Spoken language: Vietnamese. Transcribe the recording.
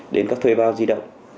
đến các thuê bao di động